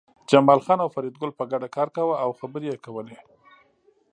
جمال خان او فریدګل په ګډه کار کاوه او خبرې یې کولې